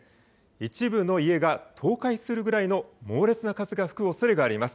一部の家が倒壊するぐらいの猛烈な風が吹くおそれがあります。